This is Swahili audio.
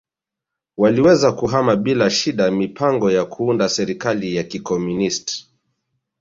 waliweza kuhama bila shida mipango ya kuunda serikali ya kikomunist